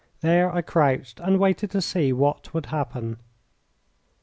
There I crouched and waited to see what would happen.